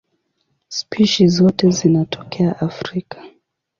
Spishi zote zinatokea Afrika.